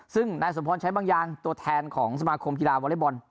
ซึ่งนายสมพรใช้บางอย่างตัวแทนของสมาคมกีฬาวอเล็กบอล